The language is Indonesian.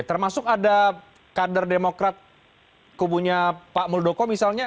termasuk ada kader demokrat kubunya pak muldoko misalnya